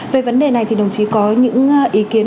về vấn đề này thì đồng chí có những ý kiến